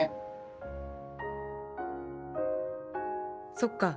そっか。